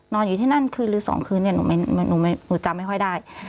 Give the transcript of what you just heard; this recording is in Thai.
อยู่ที่นั่นคืนหรือ๒คืนเนี่ยหนูจำไม่ค่อยได้